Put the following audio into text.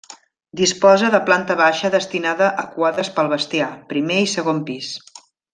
Disposa de planta baixa destinada a quadres pel bestiar, primer i segon pis.